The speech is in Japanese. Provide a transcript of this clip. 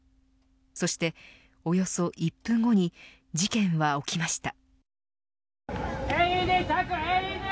そしておよそ１分後に事件は起きました。